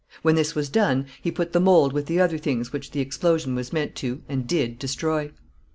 When this was done, he put the mould with the other things which the explosion was meant to, and did, destroy."